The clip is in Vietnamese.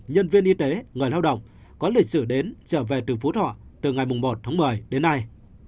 nhân viên y tế người lao động có lịch sử đến trở về từ phú thọ từ ngày một tháng một mươi đến nay